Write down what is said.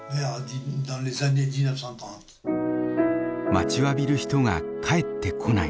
待ちわびる人が帰ってこない。